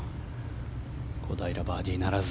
小平、バーディーならず。